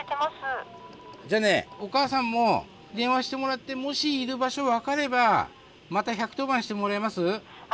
じゃあねお母さんも電話してもらってもしいる場所分かればまた１１０番してもらえます？